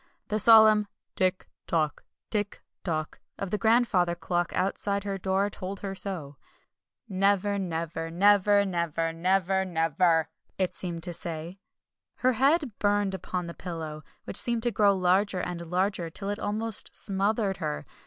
The solemn "Tick tock! Tick tock!" of the grandfather clock outside her door told her so. "Never never! Never never! NEVER NEVER!" it seemed to say. Her head burned upon the pillow, which seemed to grow larger and larger, till it almost smothered her.